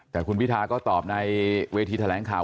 แต่คุณพิทาก็ตอบในเวทีแถลงข่าว